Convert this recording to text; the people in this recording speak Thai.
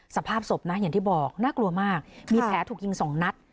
สภาพศพนะอย่างที่บอกน่ากลัวมากมีแผลถูกยิง๒นัด